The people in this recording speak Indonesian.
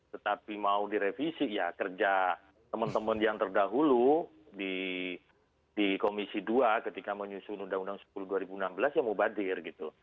tetapi mau direvisi ya kerja teman teman yang terdahulu di komisi dua ketika menyusun undang undang sepuluh dua ribu enam belas ya mau badir gitu